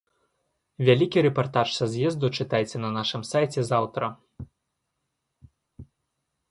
Вялікі рэпартаж са з'езду чытайце на нашым сайце заўтра.